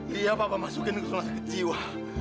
liat papa masukin gue semua sakit jiwa